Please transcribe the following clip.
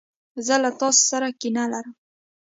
زه له تاسو سره کینه لرم.